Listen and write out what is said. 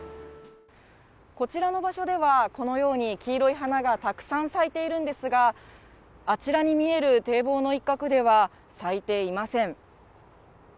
こちらの場所では、このように黄色い花がたくさん咲いているんですが、あちらに見える堤防の一角では咲いていません。